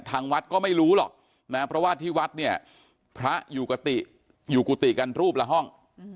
ทางวัดก็ไม่รู้หรอกนะเพราะว่าที่วัดเนี่ยพระอยู่กุฏิกันรูปละห้อง